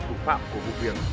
cụ phạm của vụ việc